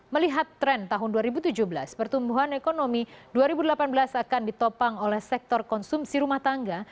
melihat tren tahun dua ribu tujuh belas pertumbuhan ekonomi dua ribu delapan belas akan ditopang oleh sektor konsumsi rumah tangga